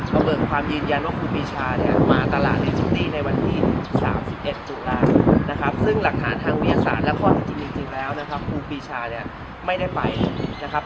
ซึ่งหลักฐานทางวิทยาศาสตร์และข้อเท็จจริงจริงจริงแล้วนะครับครูปีชาเนี่ยไม่ได้ไปนะครับ